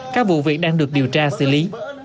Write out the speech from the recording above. các vụ việc đang được điều tra xử lý